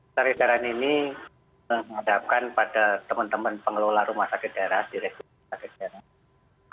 dan edaran ini menghadapkan pada teman teman pengelola rumah sakit daerah direktur rumah sakit daerah